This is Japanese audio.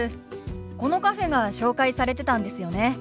このカフェが紹介されてたんですよね？